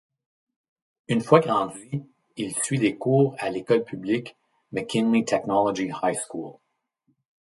Une fois grandi, il suit des cours à l’école publique McKinley Technology High School.